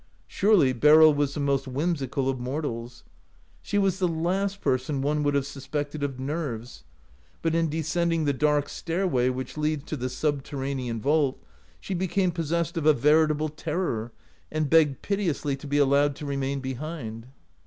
Surely Beryl was the most whimsical of mortals. She was the last person one would have sus pected of nerves, but in descending the dark stairway which leads to the subterranean vault she became possessed of a veritable 24 OUT OF BOHEMIA terror, and begged piteously to be allowed to remain behind.